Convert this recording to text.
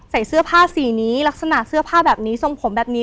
ใส่เสื้อผ้าสีนี้ลักษณะเสื้อผ้าแบบนี้ทรงผมแบบนี้